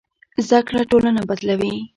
زده کړه ټولنه بدلوي.